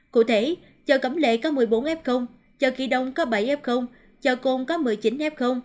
cụ thể chợ cầm lệ có một mươi bốn f chợ kỳ đồng có bảy f chợ cồn có một mươi chín f